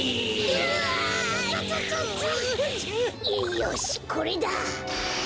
よしこれだ！